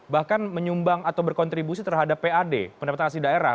bahkan menyumbang atau berkontribusi terhadap pad pendapatan asli daerah